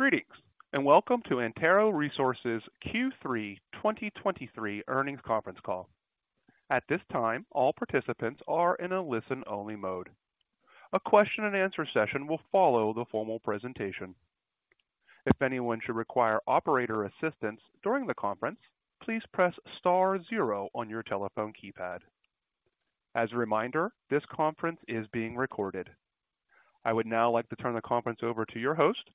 Greetings, and welcome to Antero Resources' Q3 2023 Earnings Conference Call. At this time, all participants are in a listen-only mode. A Q&A session will follow the formal presentation. If anyone should require operator assistance during the conference, please press star zero on your telephone keypad. As a reminder, this conference is being recorded. I would now like to turn the conference over to your host,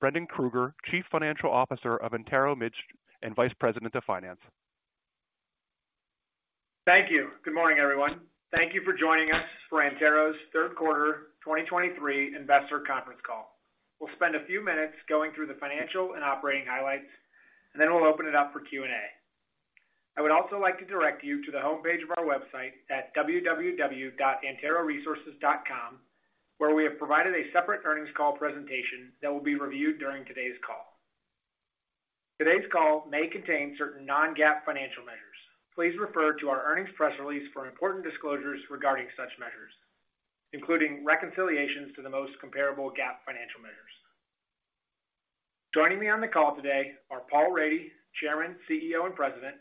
Brendan Krueger, Chief Financial Officer of Antero Midstream and Vice President of Finance. Thank you. Good morning, everyone. Thank you for joining us for Antero's Q3 2023 investor conference call. We'll spend a few minutes going through the financial and operating highlights, and then we'll open it up for Q&A. I would also like to direct you to the homepage of our website at www.anteroresources.com, where we have provided a separate earnings call presentation that will be reviewed during today's call. Today's call may contain certain non-GAAP financial measures. Please refer to our earnings press release for important disclosures regarding such measures, including reconciliations to the most comparable GAAP financial measures. Joining me on the call today are Paul Rady, Chairman, CEO, and President;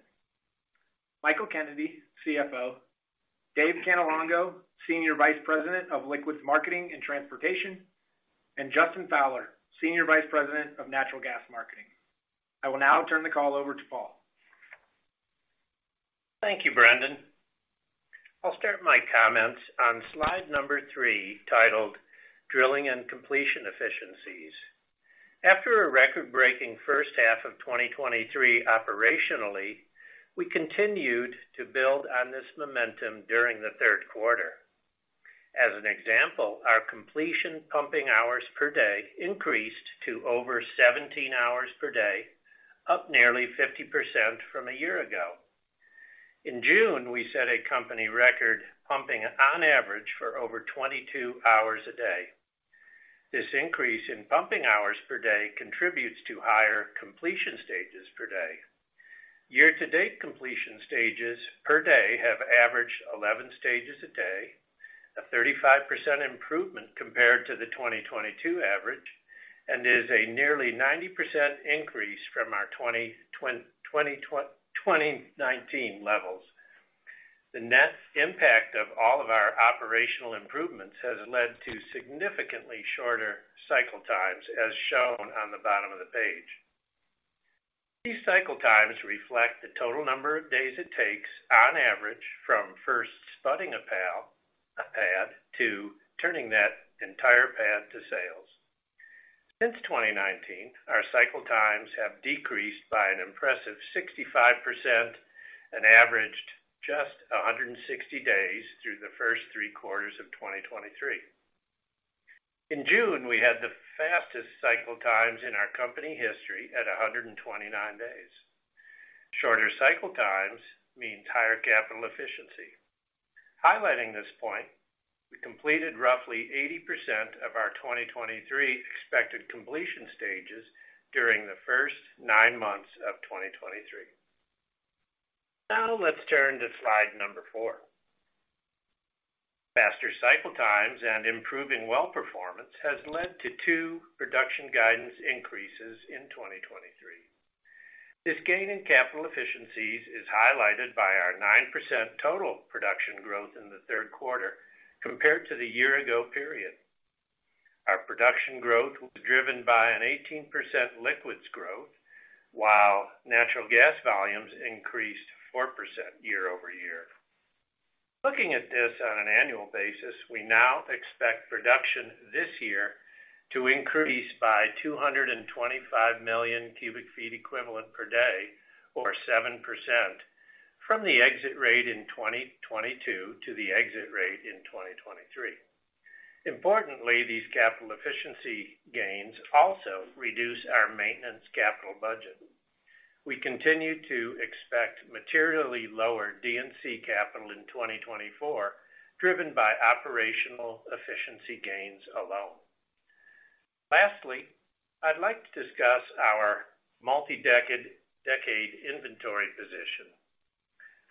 Michael Kennedy, CFO; Dave Cannelongo, Senior Vice President of Liquids Marketing and Transportation; and Justin Fowler, Senior Vice President of Natural Gas Marketing. I will now turn the call over to Paul. Thank you, Brendan. I'll start my comments on slide number three, titled Drilling and Completion Efficiencies. After a record-breaking H1 of 2023 operationally, we continued to build on this momentum during the Q3. As an example, our completion pumping hours per day increased to over 17 hours per day, up nearly 50% from a year ago. In June, we set a company record, pumping on average for over 22 hours a day. This increase in pumping hours per day contributes to higher completion stages per day. Year-to-date completion stages per day have averaged 11 stages a day, a 35% improvement compared to the 2022 average, and is a nearly 90% increase from our 2019 levels. The net impact of all of our operational improvements has led to significantly shorter cycle times, as shown on the bottom of the page. These cycle times reflect the total number of days it takes, on average, from first spudding a pad to turning that entire pad to sales. Since 2019, our cycle times have decreased by an impressive 65% and averaged just 160 days through the first three quarters of 2023. In June, we had the fastest cycle times in our company history at 129 days. Shorter cycle times means higher capital efficiency. Highlighting this point, we completed roughly 80% of our 2023 expected completion stages during the first nine months of 2023. Now, let's turn to slide number four. Faster cycle times and improving well performance has led to two production guidance increases in 2023. This gain in capital efficiencies is highlighted by our 9% total production growth in the Q3 compared to the year ago period. Our production growth was driven by an 18% liquids growth, while natural gas volumes increased 4% year-over-year. Looking at this on an annual basis, we now expect production this year to increase by 225 million cubic feet equivalent per day, or 7%, from the exit rate in 2022 to the exit rate in 2023. Importantly, these capital efficiency gains also reduce our maintenance capital budget. We continue to expect materially lower D&C capital in 2024, driven by operational efficiency gains alone. Lastly, I'd like to discuss our multi-decade, decade inventory position.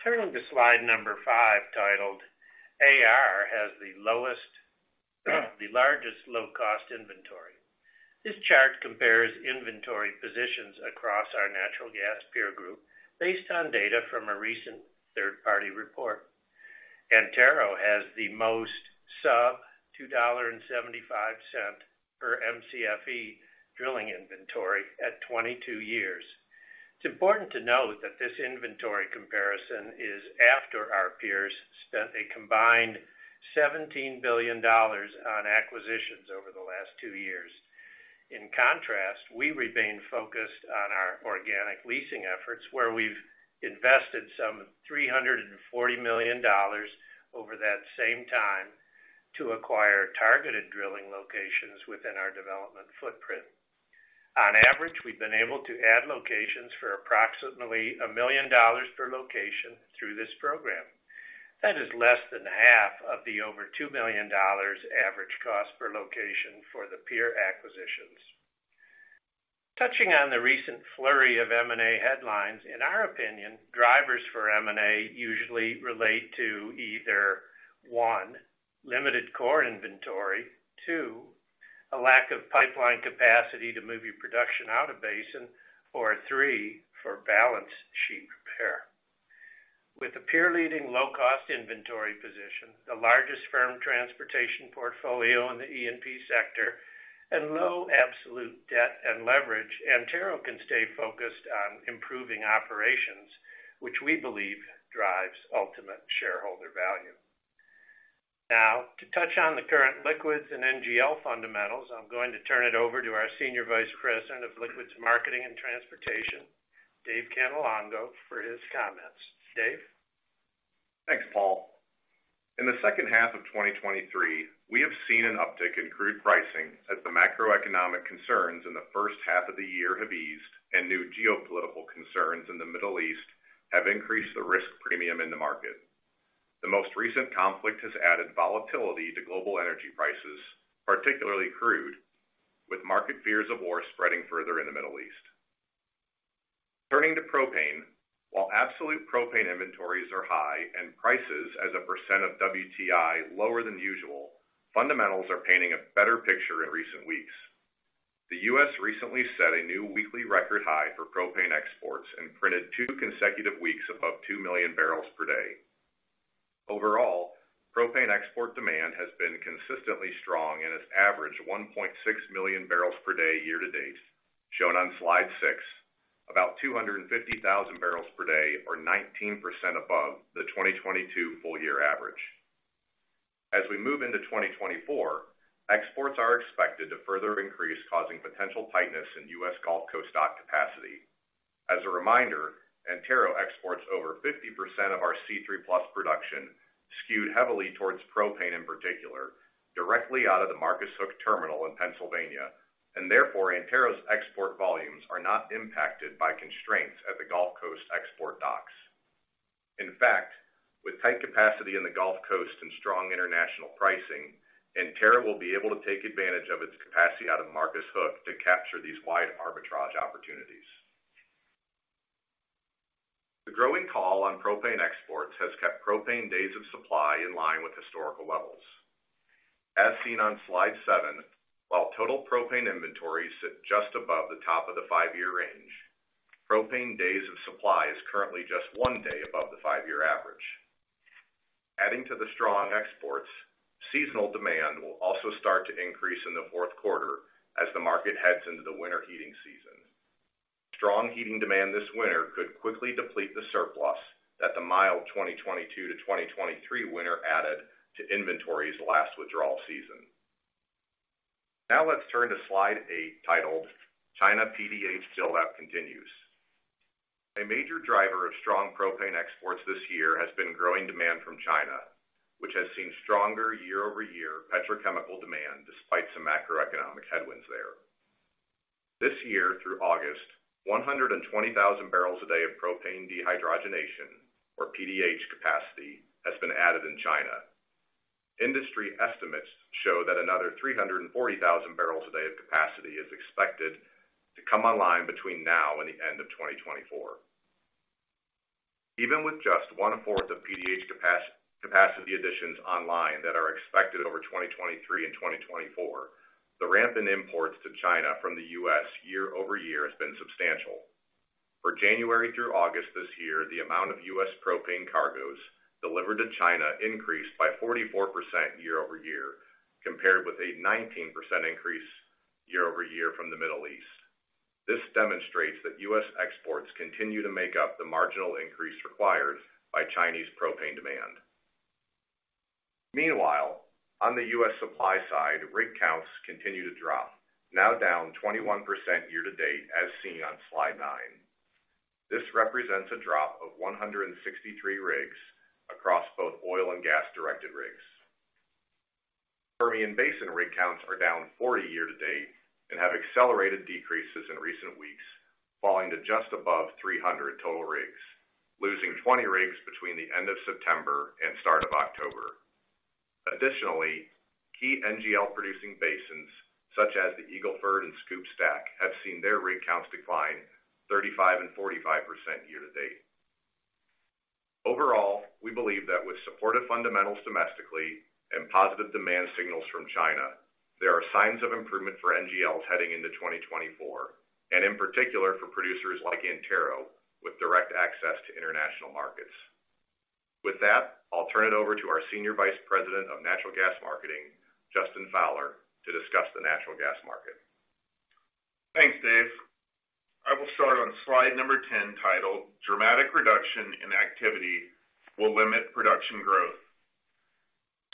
Turning to slide five, titled AR has the lowest, the largest low-cost inventory. This chart compares inventory positions across our natural gas peer group based on data from a recent third-party report. Antero has the most sub $2.75 cents per Mcfe drilling inventory at 22 years. It's important to note that this inventory comparison is after our peers spent a combined $17 billion on acquisitions over the last two years. In contrast, we remain focused on our organic leasing efforts, where we've invested some $340 million over that same time to acquire targeted drilling locations within our development footprint. On average, we've been able to add locations for approximately $1 million per location through this program. That is less than half of the over $2 million average cost per location for the peer acquisitions... Touching on the recent flurry of M&A headlines, in our opinion, drivers for M&A usually relate to either, one, limited core inventory, two, a lack of pipeline capacity to move your production out of basin, or three, for balance sheet repair. With a peer-leading low-cost inventory position, the largest firm transportation portfolio in the E&P sector, and low absolute debt and leverage, Antero can stay focused on improving operations, which we believe drives ultimate shareholder value. Now, to touch on the current liquids and NGL fundamentals, I'm going to turn it over to our Senior Vice President of Liquids Marketing and Transportation, Dave Cannelongo, for his comments. Dave? Thanks, Paul. In the H2 of 2023, we have seen an uptick in crude pricing as the macroeconomic concerns in the H1 of the year have eased, and new geopolitical concerns in the Middle East have increased the risk premium in the market. The most recent conflict has added volatility to global energy prices, particularly crude, with market fears of war spreading further in the Middle East. Turning to propane, while absolute propane inventories are high and prices as a % of WTI lower than usual, fundamentals are painting a better picture in recent weeks. The U.S. recently set a new weekly record high for propane exports and printed two consecutive weeks above 2 million barrels per day. Overall, propane export demand has been consistently strong and has averaged 1.6 million barrels per day year-to-date, shown on Slide six, about 250,000 barrels per day or 19% above the 2022 full year average. As we move into 2024, exports are expected to further increase, causing potential tightness in U.S. Gulf Coast dock capacity. As a reminder, Antero exports over 50% of our C3+ production, skewed heavily towards propane, in particular, directly out of the Marcus Hook terminal in Pennsylvania, and therefore, Antero's export volumes are not impacted by constraints at the Gulf Coast export docks. In fact, with tight capacity in the Gulf Coast and strong international pricing, Antero will be able to take advantage of its capacity out of Marcus Hook to capture these wide arbitrage opportunities. The growing call on propane exports has kept propane days of supply in line with historical levels. As seen on Slide seven, while total propane inventories sit just above the top of the 5-year range, propane days of supply is currently just 1 day above the 5-year average. Adding to the strong exports, seasonal demand will also start to increase in the Q4 as the market heads into the winter heating season. Strong heating demand this winter could quickly deplete the surplus that the mild 2022 to 2023 winter added to inventories last withdrawal season. Now let's turn to Slide eight, titled China PDH Build-Out Continues. A major driver of strong propane exports this year has been growing demand from China, which has seen stronger year-over-year petrochemical demand despite some macroeconomic headwinds there. This year, through August, 120,000 barrels/day of propane dehydrogenation, or PDH capacity, has been added in China. Industry estimates show that another 340,000 barrels/day of capacity is expected to come online between now and the end of 2024. Even with just one-fourth of PDH capacity additions online that are expected over 2023 and 2024, the rampant imports to China from the U.S. year-over-year has been substantial. For January through August this year, the amount of U.S. propane cargoes delivered to China increased by 44% year-over-year, compared with a 19% increase year-over-year from the Middle East. This demonstrates that U.S. exports continue to make up the marginal increase required by Chinese propane demand. Meanwhile, on the U.S. supply side, rig counts continue to drop, now down 21% year-to-date, as seen on Slide nine. This represents a drop of 163 rigs across both oil and gas-directed rigs. Permian Basin rig counts are down 40 year-to-date and have accelerated decreases in recent weeks, falling to just above 300 total rigs, losing 20 rigs between the end of September and start of October. Additionally, key NGL producing basins, such as the Eagle Ford and SCOOP/STACK, have seen their rig counts decline 35% and 45% year-to-date. Overall, we believe that with supportive fundamentals domestically and positive demand signals from China, there are signs of improvement for NGLs heading into 2024, and in particular, for producers like Antero, with direct access to international markets. With that, I'll turn it over to our Senior Vice President of Natural Gas Marketing, Justin Fowler, to discuss the natural gas market. Thanks, Dave. I will start on slide number 10, titled Dramatic Reduction in Activity Will Limit Production Growth.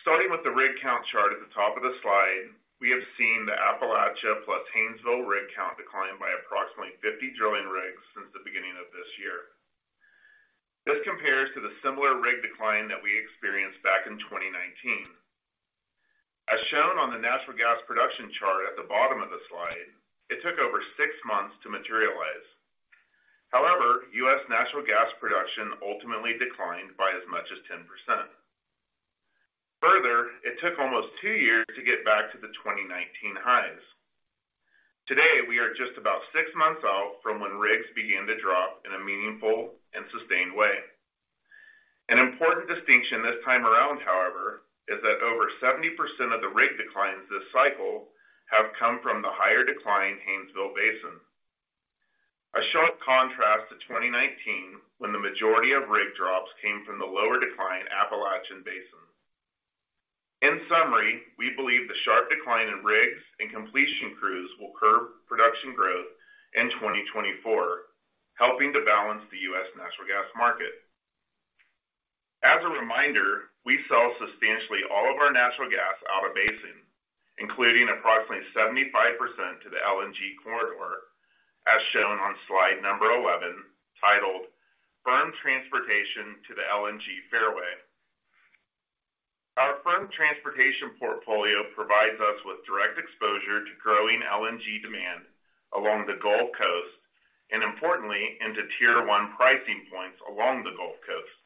Starting with the rig count chart at the top of the slide, we have seen the Appalachia plus Haynesville rig count decline by approximately 50 drilling rigs since the beginning of this year. This compares to the similar rig decline that we experienced back in 2019. As shown on the natural gas production chart at the bottom of the slide, it took over 6 months to materialize. However, U.S. natural gas production ultimately declined by as much as 10%.... 2 years to get back to the 2019 highs. Today, we are just about 6 months out from when rigs began to drop in a meaningful and sustained way. An important distinction this time around, however, is that over 70% of the rig declines this cycle have come from the higher declining Haynesville Basin. A sharp contrast to 2019, when the majority of rig drops came from the lower declining Appalachian Basin. In summary, we believe the sharp decline in rigs and completion crews will curb production growth in 2024, helping to balance the U.S. natural gas market. As a reminder, we sell substantially all of our natural gas out of basin, including approximately 75% to the LNG corridor, as shown on slide number 11, titled Firm Transportation to the LNG Fairway. Our firm transportation portfolio provides us with direct exposure to growing LNG demand along the Gulf Coast, and importantly, into Tier One pricing points along the Gulf Coast.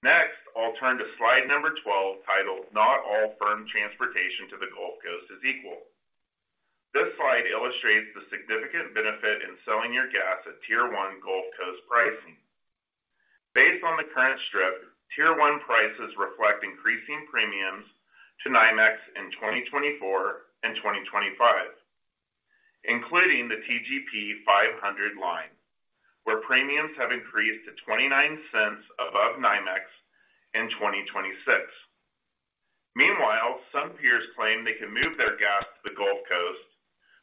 Next, I'll turn to slide number 12, titled, Not All Firm Transportation to the Gulf Coast is Equal. This slide illustrates the significant benefit in selling your gas at Tier One Gulf Coast pricing. Based on the current strip, Tier One prices reflect increasing premiums to NYMEX in 2024 and 2025, including the TGP 500 line, where premiums have increased to 29 cents above NYMEX in 2026. Meanwhile, some peers claim they can move their gas to the Gulf Coast,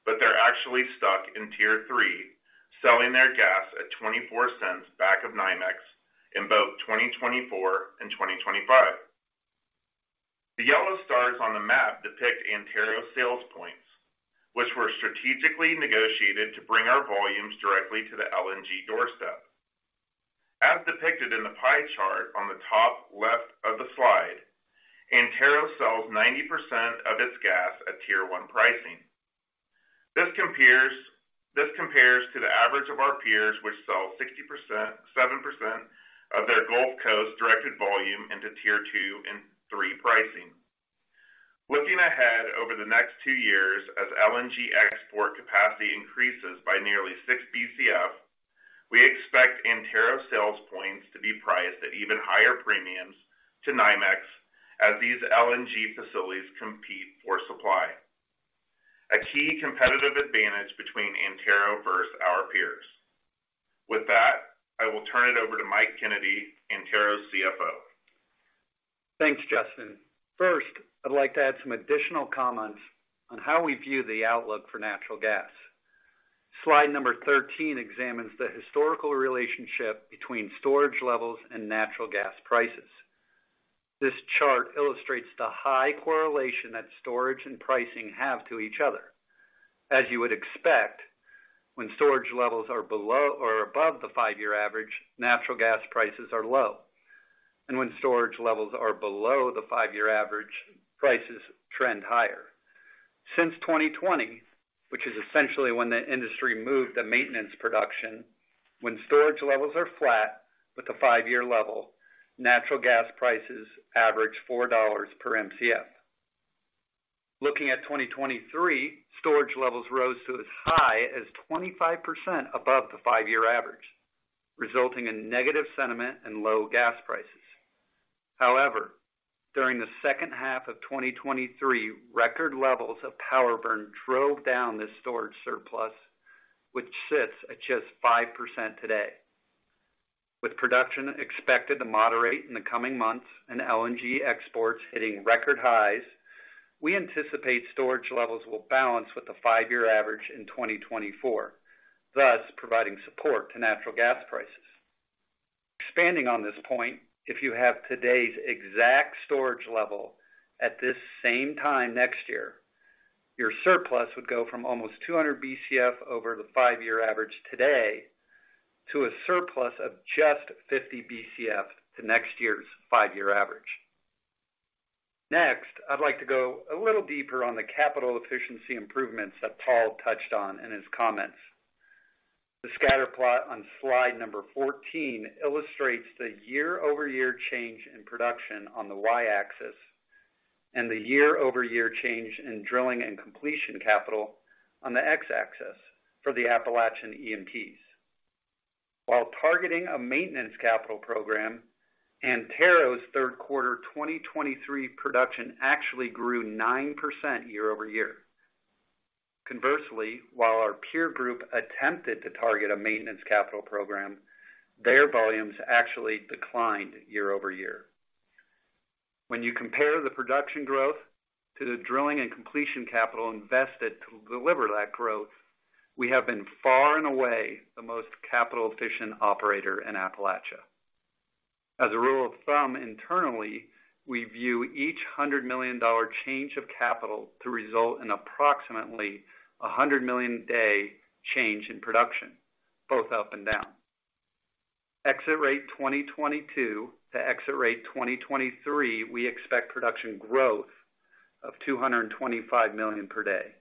but they're actually stuck in Tier Three, selling their gas at 24 cents back of NYMEX in both 2024 and 2025. The yellow stars on the map depict Antero sales points, which were strategically negotiated to bring our volumes directly to the LNG doorstep. As depicted in the pie chart on the top left of the slide, Antero sells 90% of its gas at Tier One pricing. This compares to the average of our peers, which sell 60%-7% of their Gulf Coast directed volume into Tier Two and Tier Three pricing. Looking ahead over the next two years, as LNG export capacity increases by nearly 6 Bcf, we expect Antero sales points to be priced at even higher premiums to NYMEX as these LNG facilities compete for supply, a key competitive advantage between Antero versus our peers. With that, I will turn it over to Mike Kennedy, Antero's CFO. Thanks, Justin. First, I'd like to add some additional comments on how we view the outlook for natural gas. Slide number 13 examines the historical relationship between storage levels and natural gas prices. This chart illustrates the high correlation that storage and pricing have to each other. As you would expect, when storage levels are below or above the five-year average, natural gas prices are low. And when storage levels are below the five-year average, prices trend higher. Since 2020, which is essentially when the industry moved to maintenance production, when storage levels are flat with the five-year level, natural gas prices average $4 per Mcf. Looking at 2023, storage levels rose to as high as 25% above the five-year average, resulting in negative sentiment and low gas prices. However, during the H2 of 2023, record levels of power burn drove down this storage surplus, which sits at just 5% today. With production expected to moderate in the coming months and LNG exports hitting record highs, we anticipate storage levels will balance with the five-year average in 2024, thus providing support to natural gas prices. Expanding on this point, if you have today's exact storage level at this same time next year, your surplus would go from almost 200 BCF over the five-year average today, to a surplus of just 50 BCF to next year's five-year average. Next, I'd like to go a little deeper on the capital efficiency improvements that Paul touched on in his comments. The scatter plot on slide number 14 illustrates the year-over-year change in production on the Y-axis, and the year-over-year change in drilling and completion capital on the X-axis for the Appalachian E&Ps. While targeting a maintenance capital program, Antero's Q3 2023 production actually grew 9% year-over-year. Conversely, while our peer group attempted to target a maintenance capital program, their volumes actually declined year-over-year. When you compare the production growth to the drilling and completion capital invested to deliver that growth, we have been far and away the most capital-efficient operator in Appalachia. As a rule of thumb, internally, we view each $100 million change of capital to result in approximately a 100 million a day change in production, both up and down. Exit rate 2022 to exit rate 2023, we expect production growth of 225 million per day,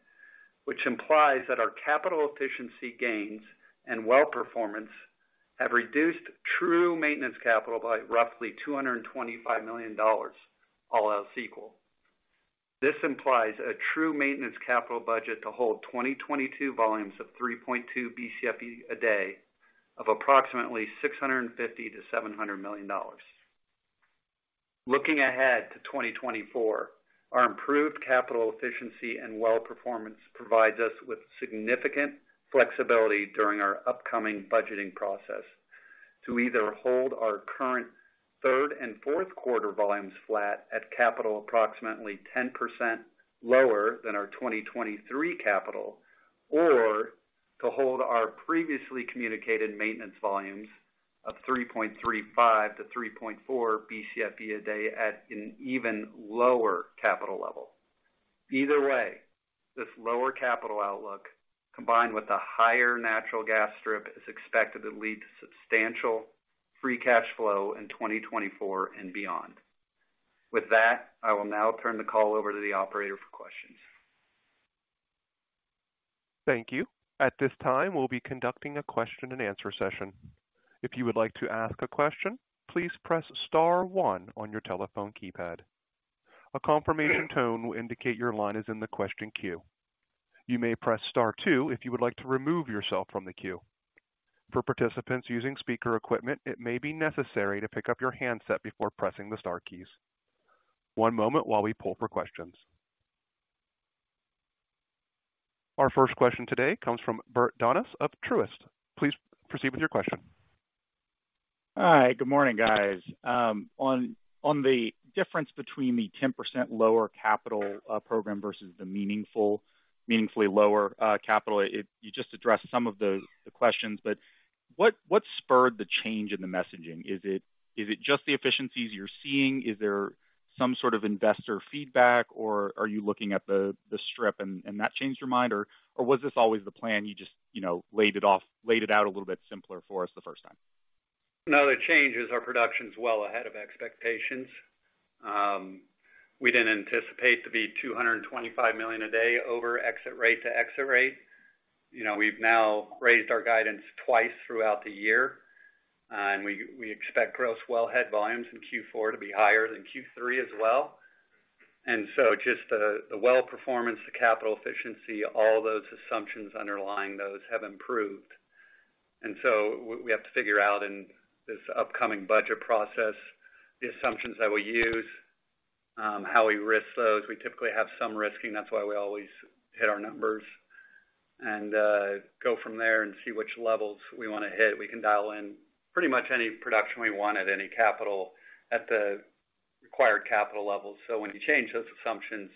which implies that our capital efficiency gains and well performance have reduced true maintenance capital by roughly $225 million, all else equal. This implies a true maintenance capital budget to hold 2022 volumes of 3.2 Bcfe a day of approximately $650-$700 million. Looking ahead to 2024, our improved capital efficiency and well performance provides us with significant flexibility during our upcoming budgeting process, to either hold our current third and Q4 volumes flat at capital approximately 10% lower than our 2023 capital, or to hold our previously communicated maintenance volumes of 3.35-3.4 Bcfe a day at an even lower capital level. Either way, this lower capital outlook, combined with a higher natural gas strip, is expected to lead to substantial free cash flow in 2024 and beyond. With that, I will now turn the call over to the operator for questions. Thank you. At this time, we'll be conducting a question-and-answer session. If you would like to ask a question, please press star one on your telephone keypad. A confirmation tone will indicate your line is in the question queue. You may press star two if you would like to remove yourself from the queue. For participants using speaker equipment, it may be necessary to pick up your handset before pressing the star keys. One moment while we pull for questions. Our first question today comes from Bert Donnes of Truist. Please proceed with your question. Hi, good morning, guys. On the difference between the 10% lower capital program versus the meaningfully lower capital, you just addressed some of the questions, but what spurred the change in the messaging? Is it just the efficiencies you're seeing? Is there some sort of investor feedback, or are you looking at the strip and that changed your mind, or was this always the plan, you just, you know, laid it out a little bit simpler for us the first time? No, the change is our production is well ahead of expectations. We didn't anticipate to be 225 million a day over exit rate to exit rate. You know, we've now raised our guidance twice throughout the year, and we, we expect gross wellhead volumes in Q4 to be higher than Q3 as well. And so just the, the well performance, the capital efficiency, all those assumptions underlying those have improved. And so we, we have to figure out in this upcoming budget process, the assumptions that we use, how we risk those. We typically have some risking, that's why we always hit our numbers and, go from there and see which levels we want to hit. We can dial in pretty much any production we want at any capital, at the required capital levels. So when you change those assumptions,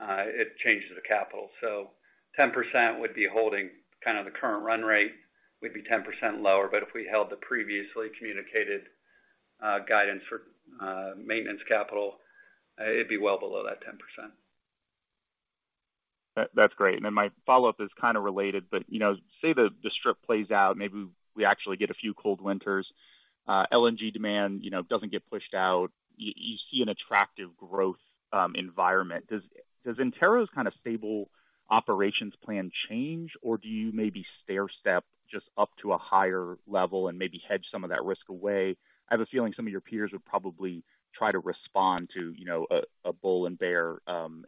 it changes the capital. So 10% would be holding kind of the current run rate, would be 10% lower, but if we held the previously communicated guidance for maintenance capital, it'd be well below that 10%. That's great. And then my follow-up is kind of related, but, you know, say the strip plays out, maybe we actually get a few cold winters, LNG demand, you know, doesn't get pushed out. You see an attractive growth environment. Does Antero's kind of stable operations plan change, or do you maybe stairstep just up to a higher level and maybe hedge some of that risk away? I have a feeling some of your peers would probably try to respond to, you know, a bull and bear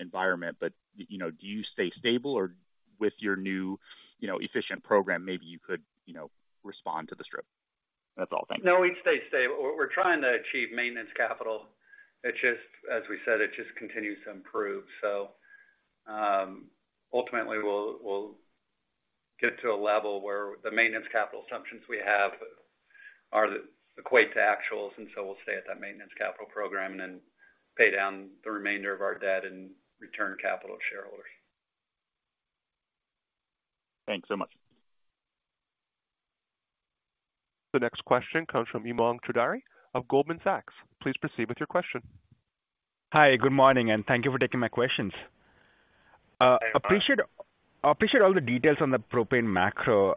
environment, but, you know, do you stay stable or with your new, you know, efficient program, maybe you could, you know, respond to the strip? That's all. Thank you. No, we stay stable. We're, we're trying to achieve maintenance capital. It just as we said, it just continues to improve. So, ultimately, we'll, we'll get to a level where the maintenance capital assumptions we have are equate to actuals, and so we'll stay at that maintenance capital program and then pay down the remainder of our debt and return capital to shareholders. Thanks so much. The next question comes from Umang Choudhary of Goldman Sachs. Please proceed with your question. Hi, good morning, and thank you for taking my questions. Appreciate all the details on the propane macro.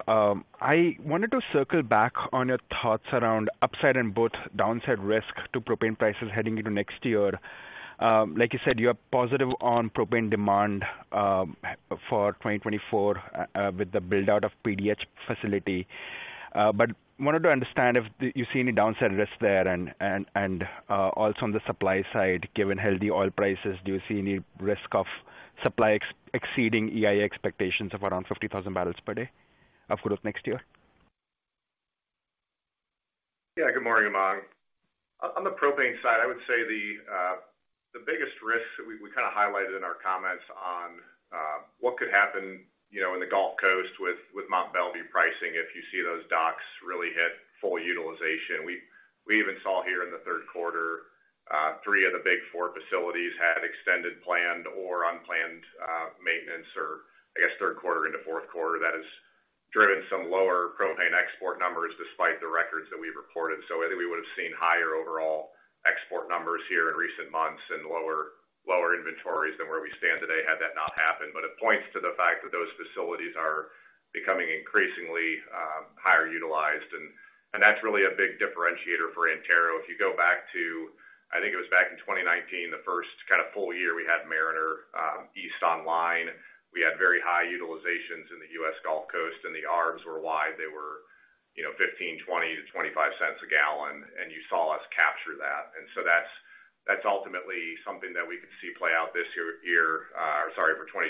I wanted to circle back on your thoughts around upside and both downside risk to propane prices heading into next year. Like you said, you are positive on propane demand for 2024 with the build-out of PDH facility. But wanted to understand if you see any downside risks there and also on the supply side, given healthy oil prices, do you see any risk of supply exceeding EIA expectations of around 50,000 barrels per day of course, next year? Yeah, good morning, Umang. On the propane side, I would say the biggest risk we kinda highlighted in our comments on what could happen, you know, in the Gulf Coast with Mont Belvieu pricing, if you see those docks really hit full utilization. We even saw here in the Q3, three of the big four facilities had extended, planned or unplanned, maintenance or I guess, Q3 into Q4. That has driven some lower propane export numbers despite the rest-... reported. So I think we would have seen higher overall export numbers here in recent months and lower, lower inventories than where we stand today had that not happened. But it points to the fact that those facilities are becoming increasingly higher utilized, and that's really a big differentiator for Antero. If you go back to, I think it was back in 2019, the first kind of full year we had Mariner East online, we had very high utilizations in the U.S. Gulf Coast, and the arbs were wide. They were, you know, $0.15, $0.20-$0.25 a gallon, and you saw us capture that. That's ultimately something that we could see play out this year for 2024,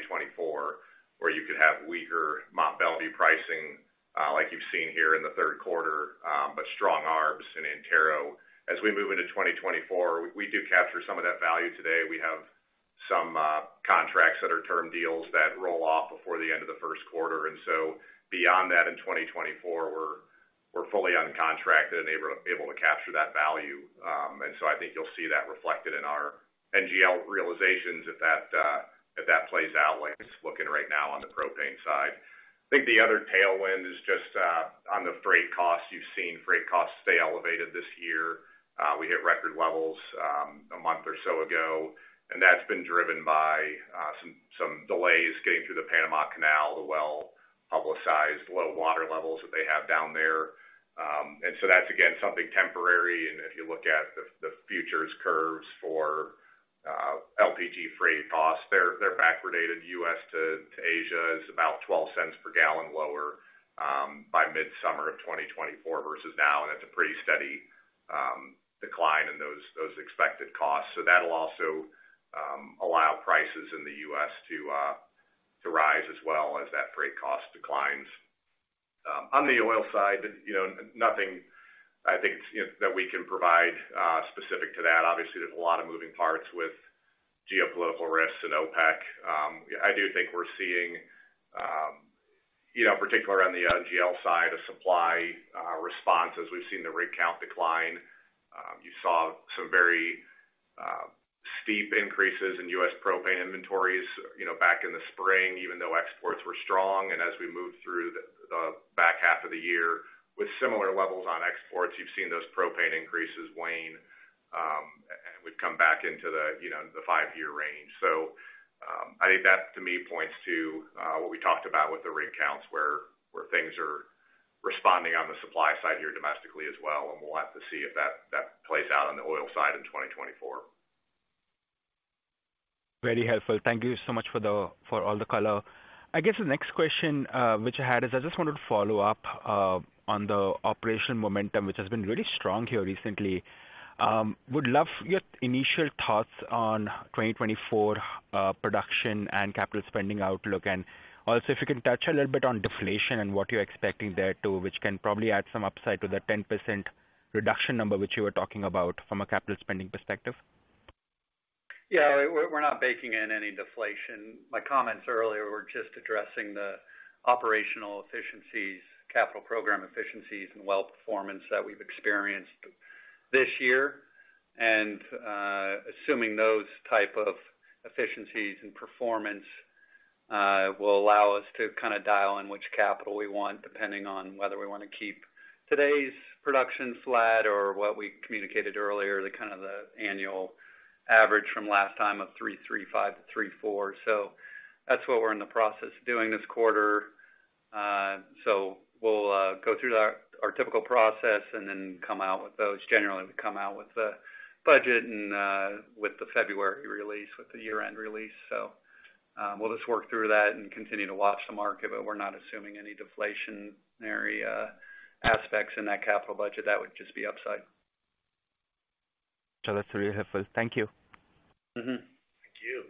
where you could have weaker Mont Belvieu pricing, like you've seen here in the Q3, but strong arbs in Antero. As we move into 2024, we do capture some of that value today. We have some contracts that are term deals that roll off before the end of the Q1, and so beyond that, in 2024, we're fully uncontracted and able to capture that value. I think you'll see that reflected in our NGL realizations if that plays out like it's looking right now on the propane side. I think the other tailwind is just on the freight costs. You've seen freight costs stay elevated this year. We hit record levels a month or so ago, and that's been driven by some delays getting through the Panama Canal, the well-publicized low water levels that they have down there. And so that's, again, something temporary. If you look at the futures curves for LPG freight costs, they're backwardated. U.S. to Asia is about $0.12 per gallon lower by midsummer of 2024 versus now, and that's a pretty steady decline in those expected costs. So that'll also allow prices in the U.S. to rise as well as that freight cost declines. On the oil side, you know, nothing, I think, you know, that we can provide specific to that. Obviously, there's a lot of moving parts with geopolitical risks and OPEC. I do think we're seeing, you know, particularly around the, NGL side of supply, response, as we've seen the rig count decline. You saw some very, steep increases in U.S. propane inventories, you know, back in the spring, even though exports were strong. And as we moved through the, the back half of the year with similar levels on exports, you've seen those propane increases wane, and we've come back into the, you know, the five-year range. So, I think that, to me, points to, what we talked about with the rig counts, where, where things are responding on the supply side here domestically as well, and we'll have to see if that, that plays out on the oil side in 2024. Very helpful. Thank you so much for all the color. I guess the next question, which I had is I just wanted to follow up on the operational momentum, which has been really strong here recently. Would love your initial thoughts on 2024 production and capital spending outlook. And also, if you can touch a little bit on deflation and what you're expecting there, too, which can probably add some upside to the 10% reduction number, which you were talking about from a capital spending perspective. Yeah, we're not baking in any deflation. My comments earlier were just addressing the operational efficiencies, capital program efficiencies, and well performance that we've experienced this year. And assuming those type of efficiencies and performance will allow us to kind of dial in which capital we want, depending on whether we want to keep today's production flat or what we communicated earlier, the kind of the annual average from last time of 3.35 to 3.4. So that's what we're in the process of doing this quarter. So we'll go through our typical process and then come out with those. Generally, we come out with the budget and with the February release, with the year-end release. So, we'll just work through that and continue to watch the market, but we're not assuming any deflationary aspects in that capital budget. That would just be upside. That's very helpful. Thank you. Mm-hmm. Thank you.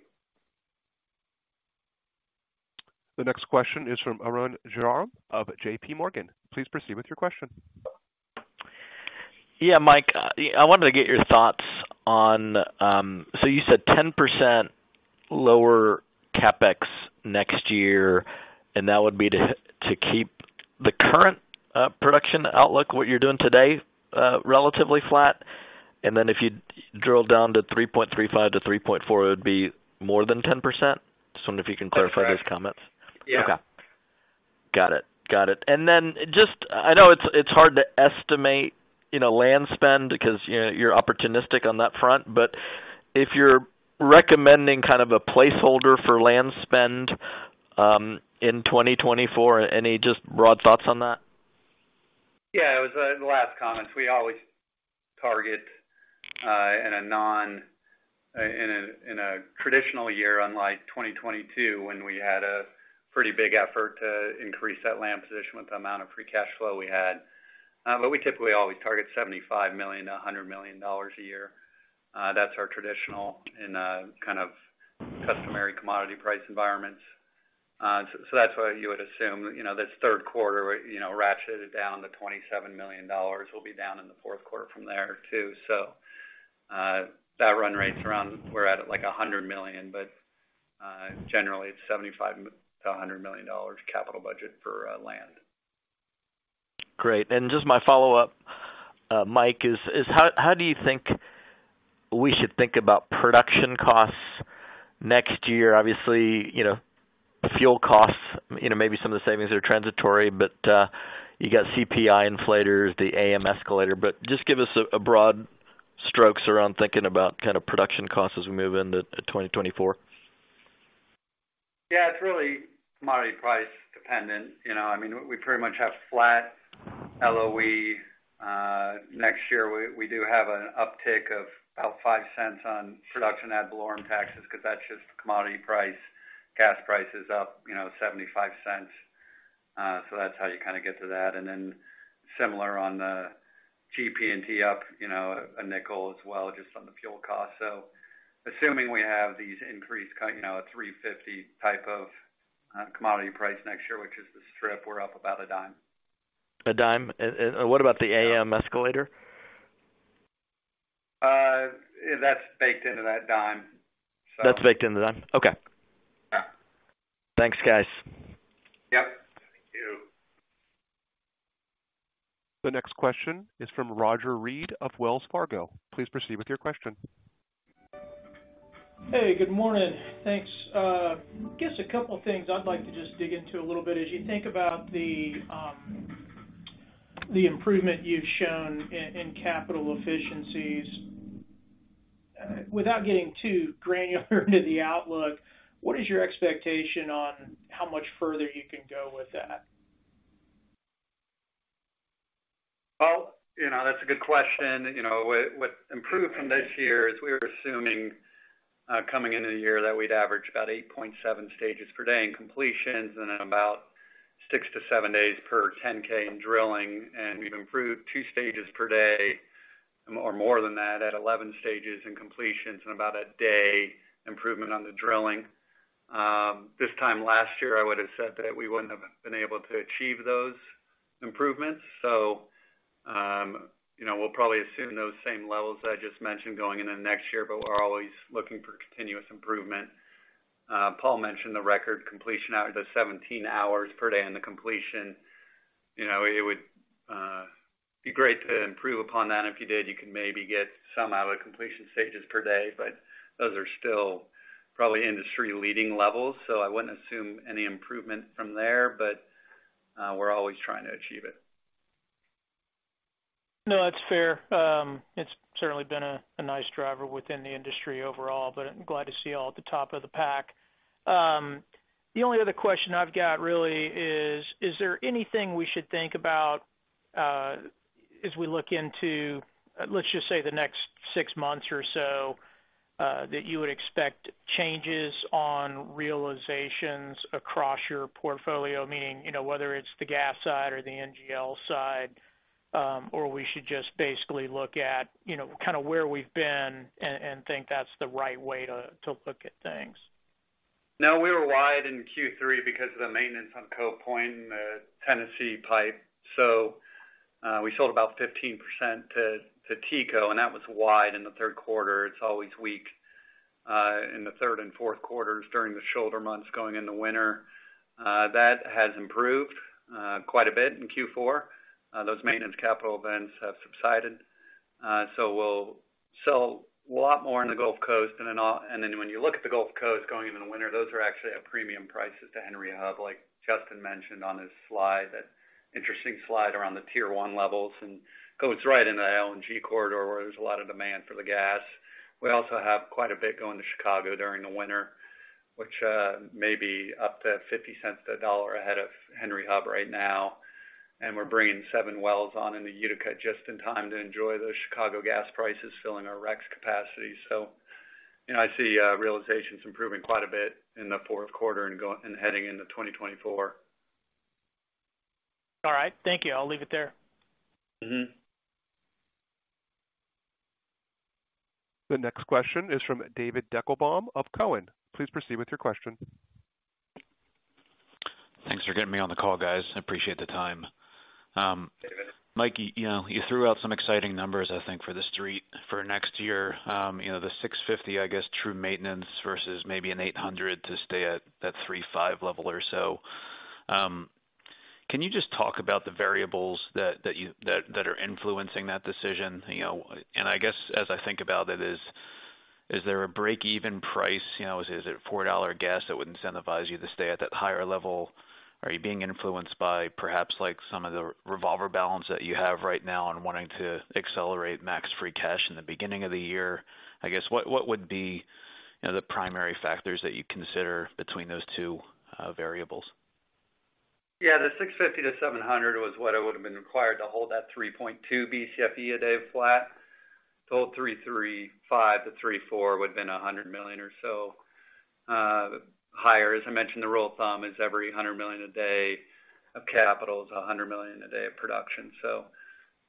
The next question is from Arun Jayaram of JP Morgan. Please proceed with your question. Yeah, Mike, I wanted to get your thoughts on... So you said 10% lower CapEx next year, and that would be to keep the current production outlook, what you're doing today, relatively flat. And then if you drill down to 3.35-3.4, it would be more than 10%? Just wondering if you can clarify those comments. Yeah. Okay. Got it. Got it. And then just... I know it's, it's hard to estimate, you know, land spend because, you know, you're opportunistic on that front, but if you're recommending kind of a placeholder for land spend in 2024, any just broad thoughts on that? Yeah, it was, the last comments. We always target, in a traditional year, unlike 2022, when we had a pretty big effort to increase that land position with the amount of free cash flow we had. But we typically always target $75 million-$100 million a year. That's our traditional in a kind of customary commodity price environments. So that's why you would assume, you know, this Q3, you know, ratcheted down to $27 million. We'll be down in the Q4 from there, too. So, that run rates around, we're at, like, $100 million, but, generally, it's $75-$100 million capital budget for, land. Great. Just my follow-up, Mike, is how do you think we should think about production costs next year. Obviously, you know, the fuel costs, you know, maybe some of the savings are transitory, but you got CPI inflators, the AM escalator. But just give us a broad strokes around thinking about kind of production costs as we move into 2024. Yeah, it's really commodity price dependent. You know, I mean, we pretty much have flat LOE. Next year, we, we do have an uptick of about $0.05 on production ad valorem taxes, 'cause that's just the commodity price. Gas price is up, you know, $0.75, so that's how you kind of get to that. And then similar on the GP&T up, you know, a nickel as well, just on the fuel cost. So assuming we have these increased kind, you know, a $3.50 type of, commodity price next year, which is the strip, we're up about a dime. A dime? And what about the AM escalator? That's baked into that dime, so. That's baked into the dime. Okay. Yeah. Thanks, guys. Yep. Thank you. The next question is from Roger Read of Wells Fargo. Please proceed with your question. Hey, good morning. Thanks. Guess a couple things I'd like to just dig into a little bit. As you think about the improvement you've shown in capital efficiencies, without getting too granular into the outlook, what is your expectation on how much further you can go with that? Well, you know, that's a good question. You know, what improved from this year is we were assuming, coming into the year, that we'd average about 8.7 stages per day in completions and then about 6-7 days per 10K in drilling, and we've improved 2 stages per day, or more than that, at 11 stages in completions and about a day improvement on the drilling. This time last year, I would have said that we wouldn't have been able to achieve those improvements. So, you know, we'll probably assume those same levels I just mentioned going into next year, but we're always looking for continuous improvement. Paul mentioned the record completion hours, the 17 hours per day in the completion. You know, it would be great to improve upon that. If you did, you could maybe get some out of completion stages per day, but those are still probably industry-leading levels, so I wouldn't assume any improvement from there. But, we're always trying to achieve it. No, that's fair. It's certainly been a nice driver within the industry overall, but I'm glad to see y'all at the top of the pack. The only other question I've got really is: Is there anything we should think about as we look into, let's just say, the next six months or so, that you would expect changes on realizations across your portfolio? Meaning, you know, whether it's the gas side or the NGL side, or we should just basically look at, you know, kind of where we've been and think that's the right way to look at things. No, we were wide in Q3 because of the maintenance on Cove Point and the Tennessee pipe. So, we sold about 15% to TCO, and that was wide in the Q3. It's always weak in the third and Q4s during the shoulder months, going in the winter. That has improved quite a bit in Q4. Those maintenance capital events have subsided. So we'll sell a lot more in the Gulf Coast. And then, and then when you look at the Gulf Coast going into the winter, those are actually at premium prices to Henry Hub, like Justin mentioned on his slide, that interesting slide around the tier one levels, and goes right into the LNG corridor, where there's a lot of demand for the gas. We also have quite a bit going to Chicago during the winter, which may be up to $0.50-$1 ahead of Henry Hub right now, and we're bringing seven wells on in the Utica just in time to enjoy those Chicago gas prices filling our REX capacity. So, you know, I see realizations improving quite a bit in the Q4 and heading into 2024. All right. Thank you. I'll leave it there. Mm-hmm. The next question is from David Deckelbaum of Cowen. Please proceed with your question. Thanks for getting me on the call, guys. I appreciate the time. David. Mike, you know, you threw out some exciting numbers, I think, for the street for next year. You know, the 650, I guess, true maintenance versus maybe an 800 to stay at that 3.5 level or so. Can you just talk about the variables that you are influencing that decision? You know, and I guess, as I think about it, is there a break-even price? You know, is it $4 gas that would incentivize you to stay at that higher level? Are you being influenced by perhaps like some of the revolver balance that you have right now and wanting to accelerate max free cash in the beginning of the year? I guess, what would be, you know, the primary factors that you consider between those two variables? Yeah, the 650-700 was what it would've been required to hold that 3.2 Bcfe/d flat. To hold 3.35-3.4 would've been $100 million or so higher. As I mentioned, the rule of thumb is every $100 million a day of capital is a $100 million a day of production. So,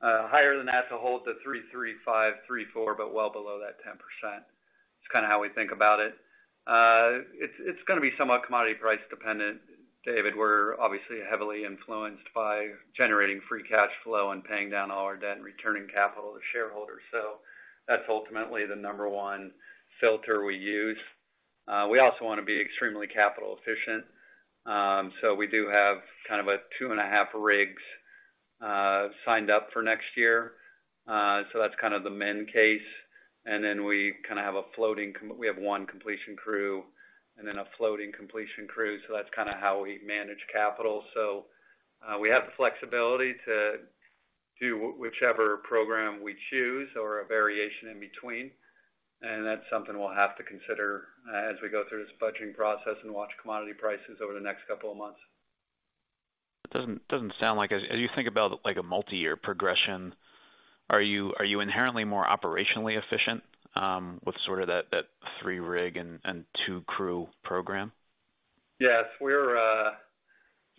higher than that to hold the 3.35, 3.4, but well below that 10%. It's kind of how we think about it. It's gonna be somewhat commodity price dependent, David. We're obviously heavily influenced by generating free cash flow and paying down all our debt and returning capital to shareholders, so that's ultimately the number one filter we use. We also want to be extremely capital efficient. We do have kind of a 2.5 rigs signed up for next year. That's kind of the min case. We kinda have a floating com-- we have one completion crew, and then a floating completion crew, so that's kinda how we manage capital. We have the flexibility to do whichever program we choose or a variation in between, and that's something we'll have to consider as we go through this budgeting process and watch commodity prices over the next couple of months. Doesn't sound like as you think about, like, a multi-year progression, are you inherently more operationally efficient with sort of that three rig and two crew program? Yes, we're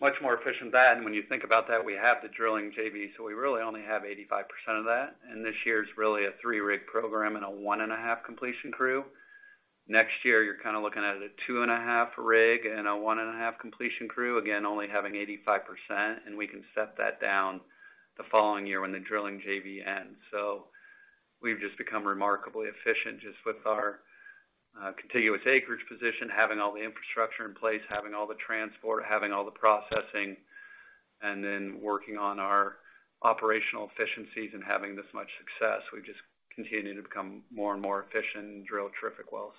much more efficient than that. And when you think about that, we have the drilling JV, so we really only have 85% of that, and this year is really a 3-rig program and a 1.5 completion crew. Next year, you're kinda looking at a 2.5-rig and a 1.5 completion crew, again, only having 85%, and we can set that down the following year when the drilling JV ends. So we've just become remarkably efficient just with our contiguous acreage position, having all the infrastructure in place, having all the transport, having all the processing, and then working on our operational efficiencies and having this much success. We've just continued to become more and more efficient and drill terrific wells.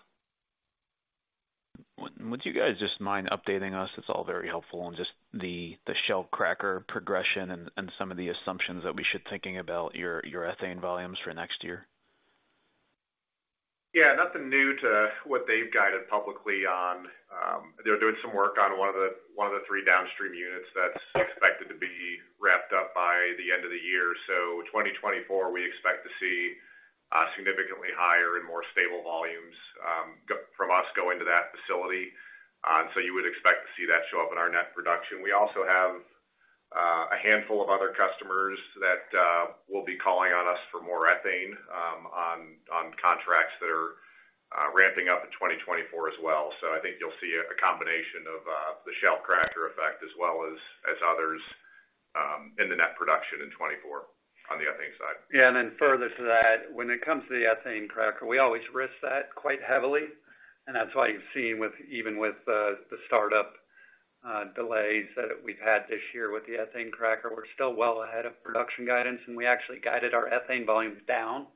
Would you guys just mind updating us? It's all very helpful, on just the Shell cracker progression and some of the assumptions that we should thinking about your ethane volumes for next year? Yeah, nothing new to what they've guided publicly on. They're doing some work on one of the three downstream units that's expected to be wrapped up by the end of the year. So 2024, we expect to see significantly higher and more stable volumes from us going to that facility. So you would expect to see that show up in our net production. We also have a handful of other customers that will be calling on us for more ethane on contracts that are ramping up in 2024 as well. So I think you'll see a combination of the Shell cracker effect as well as others in the net production in 2024 on the ethane side. Yeah, and then further to that, when it comes to the ethane cracker, we always risk that quite heavily, and that's why you've seen with—even with the startup delays that we've had this year with the ethane cracker, we're still well ahead of production guidance, and we actually guided our ethane volumes down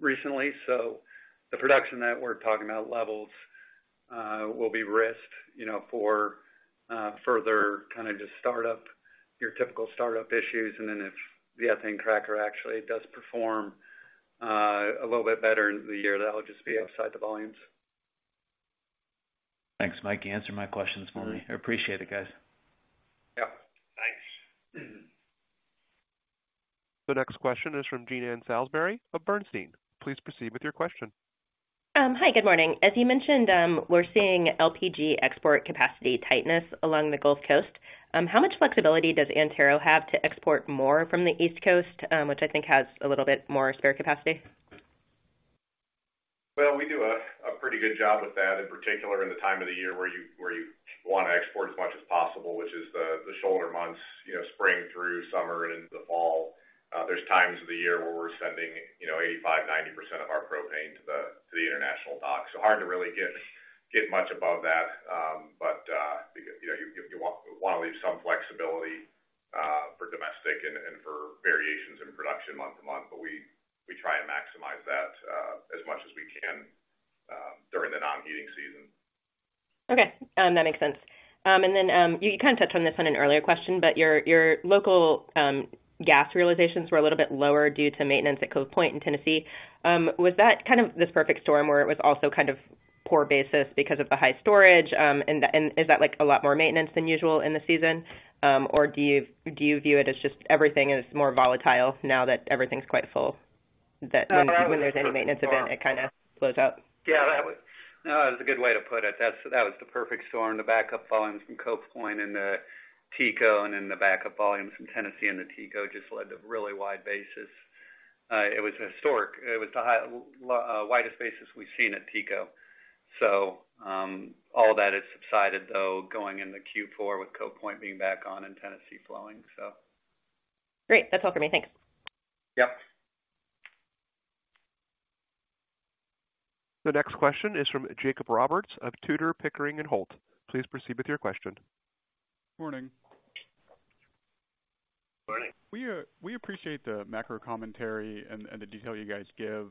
recently. So the production that we're talking about levels will be risked, you know, for further kind of just startup, your typical startup issues. And then if the ethane cracker actually does perform a little bit better in the year, that'll just be outside the volumes. Thanks, Mike. You answered my questions for me. I appreciate it, guys. Yep. Thanks. The next question is from Jean Ann Salisbury of Bernstein. Please proceed with your question. Hi, good morning. As you mentioned, we're seeing LPG export capacity tightness along the Gulf Coast. How much flexibility does Antero have to export more from the East Coast, which I think has a little bit more spare capacity? Well, we do a pretty good job with that, in particular, in the time of the year where you wanna export as much as possible, which is the shoulder months, you know, spring through summer and into the fall. There's times of the year where we're sending, you know, 85%-90% of our propane to the international dock. So hard to really get much above that, but you know, you wanna leave some flexibility for domestic and for variations in production month to month. But we try and maximize that as much as we can during the non-heating season. Okay. That makes sense. And then, you kind of touched on this on an earlier question, but your local gas realizations were a little bit lower due to maintenance at Cove Point in Tennessee. Was that kind of this perfect storm where it was also kind of poor basis because of the high storage? And, is that, like, a lot more maintenance than usual in the season? Or do you view it as just everything is more volatile now that everything's quite full, that- No, that was- When there's any maintenance event, it kind of blows out? Yeah, that was... No, that's a good way to put it. That's, that was the perfect storm. The backup volumes from Cove Point and the TCO, and then the backup volumes from Tennessee and the TCO just led to really wide basis. It was historic. It was the widest basis we've seen at TCO. So, all that has subsided, though, going into Q4 with Cove Point being back on and Tennessee flowing, so. Great! That's all for me. Thanks. Yep. The next question is from Jacob Roberts of Tudor, Pickering, and Holt. Please proceed with your question. Morning. Morning. We, we appreciate the macro commentary and the detail you guys give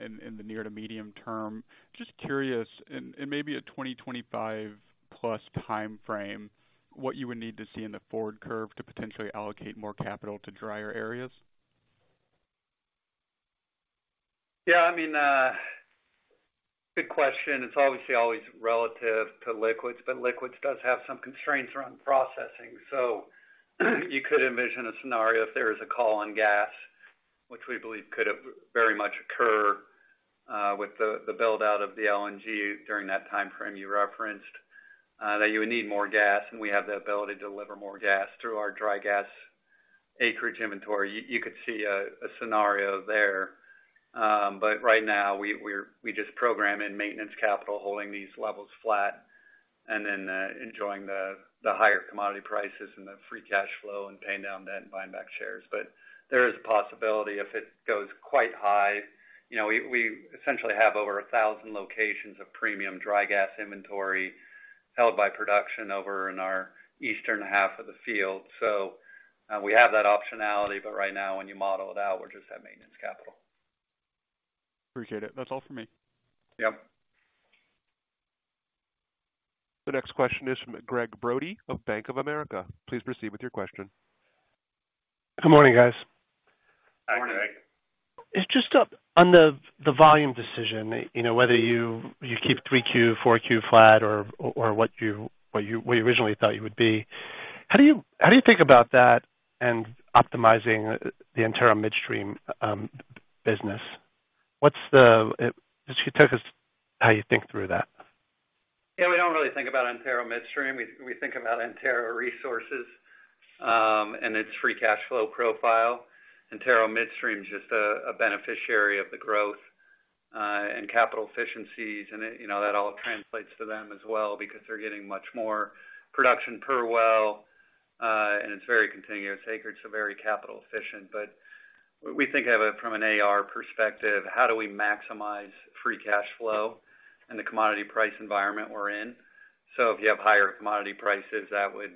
in the near to medium term. Just curious, in maybe a 2025 plus timeframe, what you would need to see in the forward curve to potentially allocate more capital to drier areas? Yeah, I mean, good question. It's obviously always relative to liquids, but liquids does have some constraints around processing. So you could envision a scenario if there is a call on gas, which we believe could very much occur with the build-out of the LNG during that timeframe you referenced, that you would need more gas, and we have the ability to deliver more gas through our dry gas acreage inventory. You could see a scenario there. But right now, we just program in maintenance capital, holding these levels flat, and then enjoying the higher commodity prices and the free cash flow and paying down debt and buying back shares. But there is a possibility if it goes quite high. You know, we essentially have over 1,000 locations of premium dry gas inventory held by production over in our eastern half of the field. So, we have that optionality, but right now, when you model it out, we're just at maintenance capital. Appreciate it. That's all for me. Yep. The next question is from Gregg Brody of Bank of America. Please proceed with your question. Good morning, guys. Good morning, Gregg. It's just up on the volume decision, you know, whether you keep 3Q, 4Q flat or what you originally thought you would be. How do you think about that and optimizing the Antero Midstream business? What's the—if you take us how you think through that? Yeah, we don't really think about Antero Midstream. We think about Antero Resources and its free cash flow profile. Antero Midstream is just a beneficiary of the growth and capital efficiencies, and, you know, that all translates to them as well because they're getting much more production per well and it's very continuous acreage, so very capital efficient. But we think of it from an AR perspective, how do we maximize free cash flow and the commodity price environment we're in? So if you have higher commodity prices, that would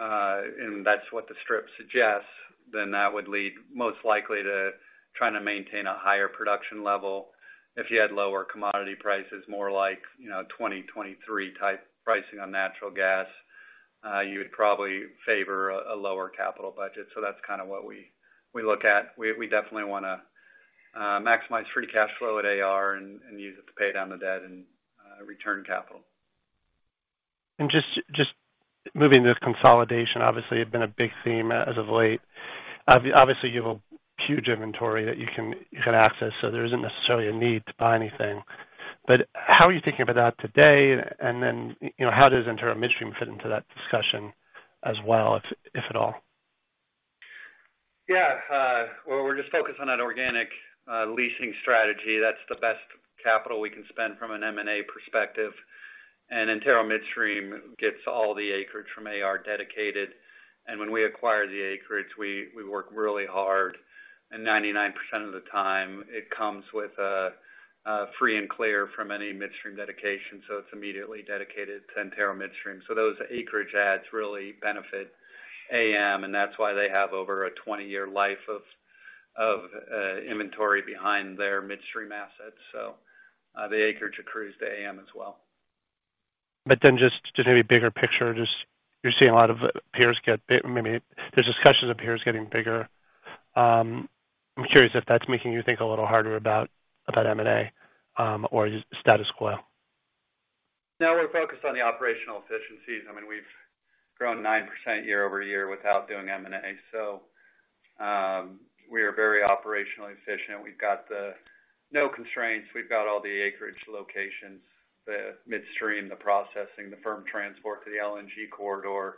and that's what the strip suggests, then that would lead most likely to trying to maintain a higher production level. If you had lower commodity prices, more like, you know, 2023 type pricing on natural gas, you'd probably favor a lower capital budget. So that's kind of what we, we look at. We, we definitely wanna maximize free cash flow at AR and, and use it to pay down the debt and return capital. Just moving this consolidation, obviously, has been a big theme as of late. Obviously, you have a huge inventory that you can access, so there isn't necessarily a need to buy anything. But how are you thinking about that today? And then, you know, how does Antero Midstream fit into that discussion as well, if at all? Yeah, well, we're just focused on that organic leasing strategy. That's the best capital we can spend from an M&A perspective. And Antero Midstream gets all the acreage from AR dedicated, and when we acquire the acreage, we work really hard, and 99% of the time, it comes with a free and clear from any midstream dedication, so it's immediately dedicated to Antero Midstream. So those acreage adds really benefit AM, and that's why they have over a 20-year life of inventory behind their midstream assets. So the acreage accrues to AM as well. But then just maybe bigger picture, just you're seeing a lot of peers get, maybe there's discussions of peers getting bigger. I'm curious if that's making you think a little harder about M&A, or status quo. No, we're focused on the operational efficiencies. I mean, we've grown 9% year-over-year without doing M&A, so we are very operationally efficient. We've got the no constraints. We've got all the acreage locations, the midstream, the processing, the firm transport to the LNG corridor,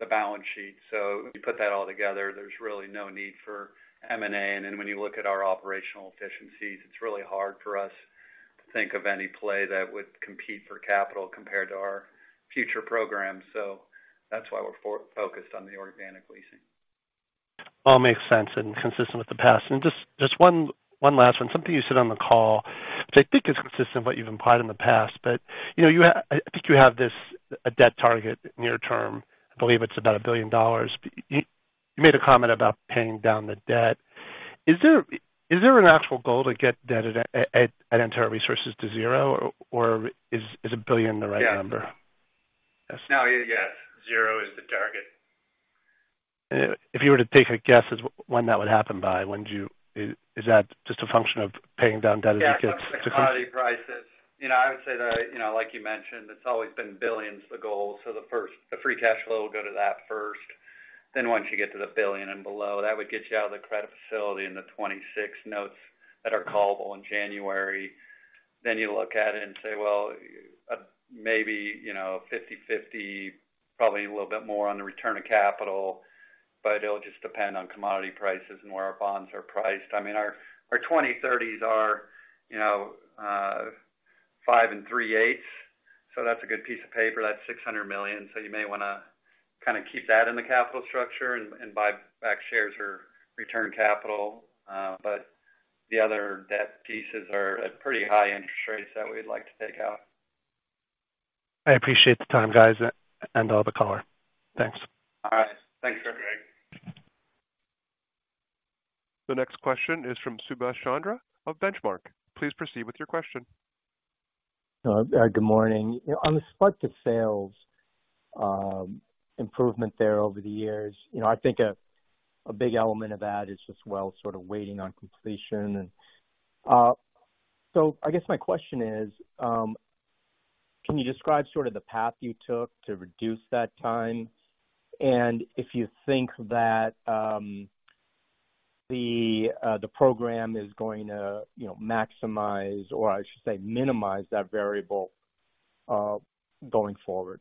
the balance sheet. So you put that all together, there's really no need for M&A. And then when you look at our operational efficiencies, it's really hard for us to think of any play that would compete for capital compared to our future programs. So that's why we're focused on the organic leasing. All makes sense and consistent with the past. Just one last one, something you said on the call, which I think is consistent with what you've implied in the past, but, you know, you have this, a debt target near term. I believe it's about $1 billion. You made a comment about paying down the debt. Is there an actual goal to get debt at Antero Resources to zero, or is $1 billion the right number? Yes. No, yeah, zero is the target. If you were to take a guess as when that would happen by, when do you—is that just a function of paying down debt as it gets- Yeah, commodity prices. You know, I would say that, you know, like you mentioned, it's always been billions, the goal. The first, the free cash flow will go to that first. Once you get to the billion and below, that would get you out of the credit facility in the 2026 notes that are callable in January. You look at it and say, well, maybe, you know, 50/50, probably a little bit more on the return of capital, but it'll just depend on commodity prices and where our bonds are priced. I mean, our 2030s are, you know, five and three-eighths, so that's a good piece of paper. That's $600 million. So you may wanna kinda keep that in the capital structure and buy back shares or return capital, but the other debt pieces are at pretty high interest rates that we'd like to take out. I appreciate the time, guys, and all the color. Thanks. All right. Thanks, Gregg. The next question is from Subash Chandra of Benchmark. Please proceed with your question. Good morning. On the spud to sales, improvement there over the years, you know, I think a big element of that is just well, sort of waiting on completion. So I guess my question is, can you describe sort of the path you took to reduce that time, and if you think that, the program is going to, you know, maximize, or I should say, minimize that variable, going forward?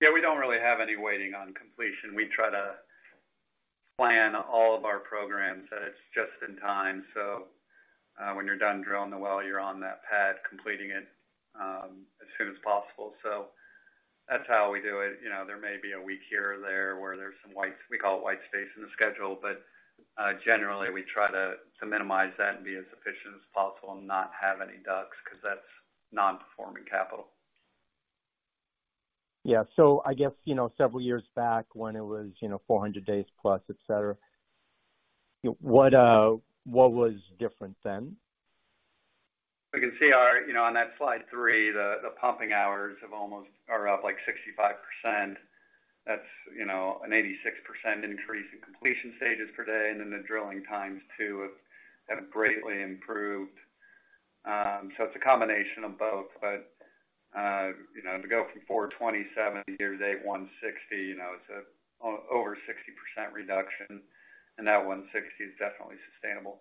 Yeah, we don't really have any waiting on completion. We try to plan all of our programs, and it's just in time. When you're done drilling the well, you're on that pad, completing it, as soon as possible. So that's how we do it. You know, there may be a week here or there where there's some white, we call it white space in the schedule, but, generally, we try to, to minimize that and be as efficient as possible and not have any DUCs, because that's non-performing capital. Yeah. So I guess, you know, several years back when it was, you know, 400 days plus, et cetera, you—what was different then? We can see our, you know, on that slide three, the pumping hours have almost are up, like, 65%. That's, you know, an 86% increase in completion stages per day, and then the drilling times, too, have greatly improved. It's a combination of both. You know, to go from 427 to 160, you know, it's a over 60% reduction, and that 160 is definitely sustainable.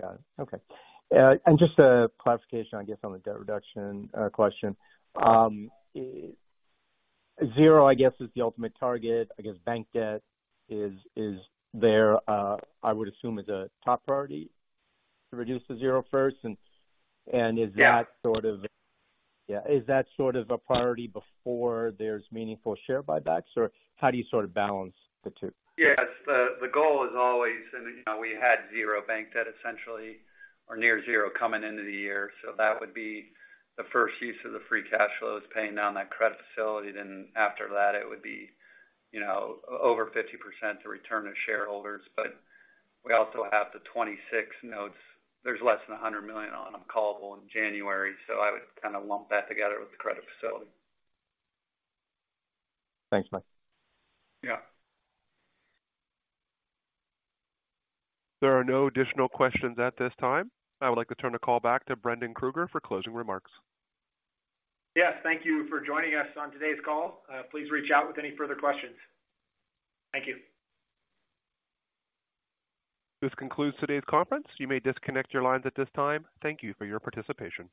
Got it. Okay. And just a clarification, I guess, on the debt reduction question. Zero, I guess, is the ultimate target. I guess bank debt is there, I would assume, is a top priority to reduce to zero first. And is that- Yeah. Sort of... Yeah, is that sort of a priority before there's meaningful share buybacks, or how do you sort of balance the two? Yes, the goal is always, and, you know, we had zero bank debt, essentially, or near zero coming into the year, so that would be the first use of the free cash flows, paying down that credit facility. Then after that, it would be, you know, over 50% to return to shareholders. But we also have the 2026 notes. There's less than $100 million on them, callable in January, so I would kind of lump that together with the credit facility. Thanks, Mike. Yeah. There are no additional questions at this time. I would like to turn the call back to Brendan Krueger for closing remarks. Yes, thank you for joining us on today's call. Please reach out with any further questions. Thank you. This concludes today's conference. You may disconnect your lines at this time. Thank you for your participation.